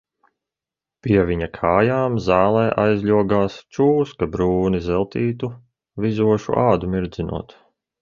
Pie viņa kājām zālē aizļogās čūska brūni zeltītu, vizošu ādu mirdzinot.